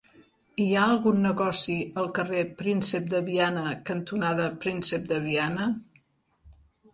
Hi ha algun negoci al carrer Príncep de Viana cantonada Príncep de Viana?